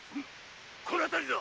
この辺りだ。